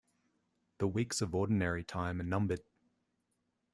The weeks of Ordinary Time are numbered.